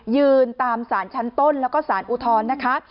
ยืนตามสารชั้นต้นแล้วก็สารอุทธรณ์นะคะ